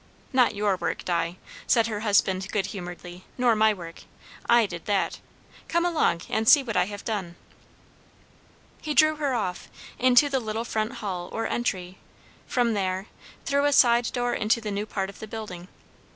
"Not your work, Di," said her husband good humouredly; "nor my work. I did that. Come along and see what I have done." He drew her off, into the little front hall or entry; from there, through a side door into the new part of the building.